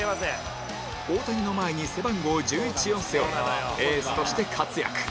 大谷の前に背番号１１を背負うエースとして活躍